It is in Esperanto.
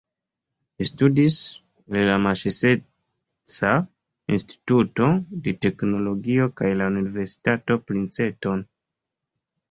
Li studis en la Masaĉuseca Instituto de Teknologio kaj la Universitato Princeton.